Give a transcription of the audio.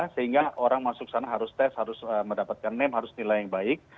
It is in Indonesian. sehingga orang masuk sana harus tes harus mendapatkan meme harus nilai yang baik